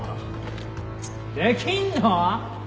できんの？